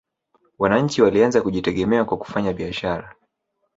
wananchi walianza kujitegemea kwa kufanya biashara